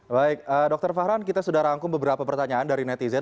baik dr fahran kita sudah rangkum beberapa pertanyaan dari netizen